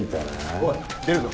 おい出るぞ。